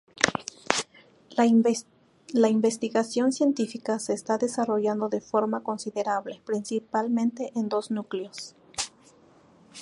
La investigación científica se está desarrollando de forma considerable principalmente en dos núcleos.